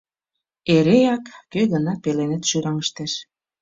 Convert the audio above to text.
Эреак кӧ-гынат пеленет шӱраҥыштеш.